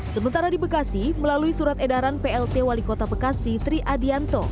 sementara di bekasi melalui surat edaran plt wali kota bekasi tri adianto